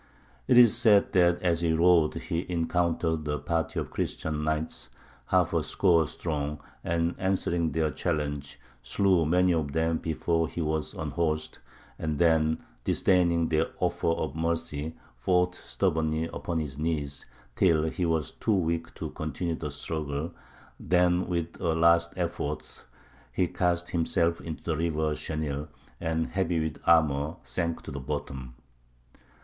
It is said that as he rode he encountered a party of Christian knights, half a score strong, and, answering their challenge, slew many of them before he was unhorsed, and then, disdaining their offers of mercy, fought stubbornly upon his knees, till he was too weak to continue the struggle: then with a last effort he cast himself into the river Xenil, and, heavy with armour, sank to the bottom.